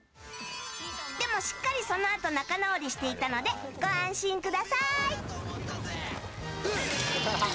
でも、しっかりそのあと仲直りしていたのでご安心ください！